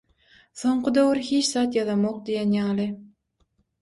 Soňky döwür hiç zat ýazamok diýen ýaly.